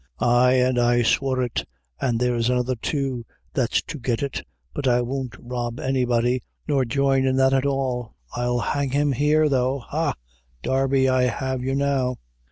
Ay, an' I swore it, an' there's another, too, that's to get it, but I won't rob any body, nor join in that at all; I'll hang him here, though ha, Darby, I have you now."